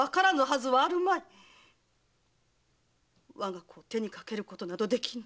我が子を手にかけることなどできぬ！